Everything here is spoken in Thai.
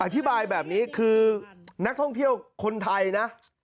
อธิบายแบบนี้คือนักท่องเที่ยวคนไทยนะ